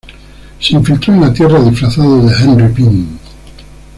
Se infiltró en la Tierra disfrazado de Henry Pym.